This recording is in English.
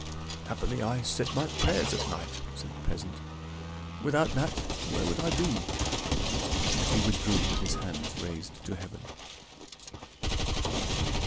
"Happily, I said my prayers at night," said the peasant; "without that, where would I be?" and he withdrew, with his hands raised to heaven.